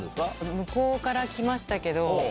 向こうから来ましたけど。